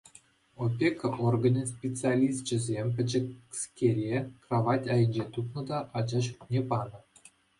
Опека органӗн специалисчӗсем пӗчӗкскере кравать айӗнче тупнӑ та ача ҫуртне панӑ.